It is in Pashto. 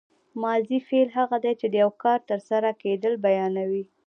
ماضي فعل هغه دی چې د یو کار تر سره کېدل بیانوي.